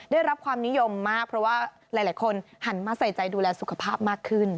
ได้รับความนิยมมากเพราะว่าหลายคนหันมาใส่ใจดูแลสุขภาพมากขึ้น